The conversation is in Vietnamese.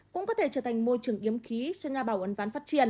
cũng có thể trở thành môi trường yếm khí cho nhà bảo uấn ván phát triển